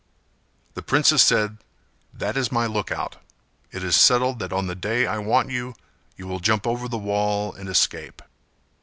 The princess said "That is my look out: it is settled that on the day I want you you will jump over the wall and escape."